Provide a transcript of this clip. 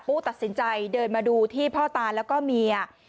ตัดสินใจเดินมาดูที่พ่อตาแล้วก็เมีย